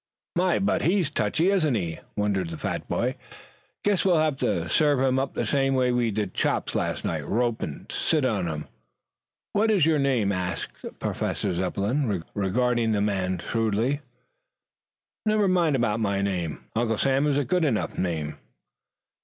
"My, but he's touchy, isn't he?" wondered the fat boy. "Guess we'll have to serve him the same way we did Chops last night, rope and sit on him." "What is your name?" asked Professor Zepplin, regarding the man shrewdly. "Never you mind about my name. Uncle Sam is a good enough name."